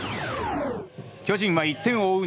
巨人は１点を追う